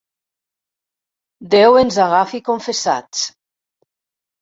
Déu ens agafi confessats!